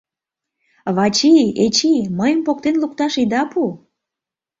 Вачи, Эчи, мыйым поктен лукташ ида пу!